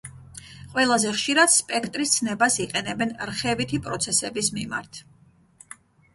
ყველაზე ხშირად სპექტრის ცნებას იყენებენ რხევითი პროცესების მიმართ.